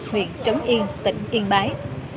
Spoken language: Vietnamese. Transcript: huyện trấn yên tỉnh yên bái